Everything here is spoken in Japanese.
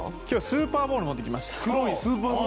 今日はスーパーボール持ってきました。